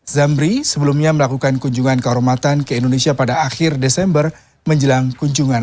zamri sebelumnya melakukan kunjungan kehormatan ke indonesia pada akhir desember menjelang kunjungan